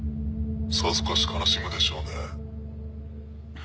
さぞかし悲しむでしょうね。